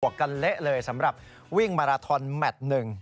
กันเละเลยสำหรับวิ่งมาราทอนแมทหนึ่ง